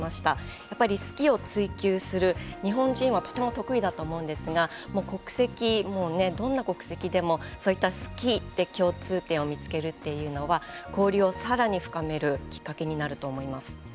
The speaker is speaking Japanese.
やっぱり好きを追求する日本人はとても得意だと思うんですが国籍もうね、どんな国籍でもそういった好きという共通点を見つけるというのは交流をさらに深めるきっかけになると思います。